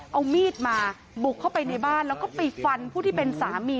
เอามีดมาบุกเข้าไปในบ้านแล้วก็ไปฟันผู้ที่เป็นสามี